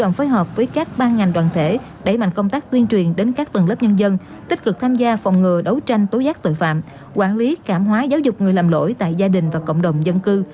phối hợp với các ban ngành đoàn thể đẩy mạnh công tác tuyên truyền đến các tầng lớp nhân dân tích cực tham gia phòng ngừa đấu tranh tố giác tội phạm quản lý cảm hóa giáo dục người lầm lỗi tại gia đình và cộng đồng dân cư